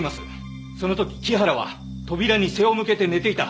その時木原は扉に背を向けて寝ていた。